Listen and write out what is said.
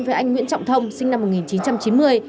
với anh nguyễn trọng thông sinh năm một nghìn chín trăm chín mươi